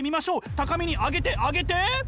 高みにあげてあげて！